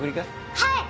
はい！